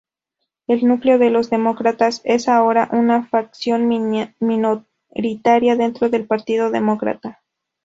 El núcleo de Los Demócratas es ahora una facción minoritaria dentro del Partido Demócrata.